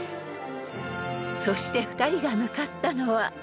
［そして２人が向かったのは］